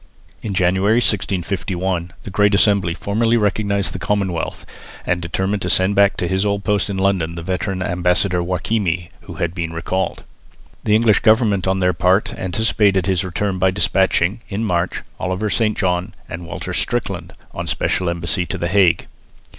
In January, 1651, the Great Assembly formally recognised the Commonwealth and determined to send back to his old post in London the veteran ambassador, Joachimi, who had been recalled. The English government on their part anticipated his return by despatching, in March, Oliver St John and Walter Strickland on a special embassy to the Hague.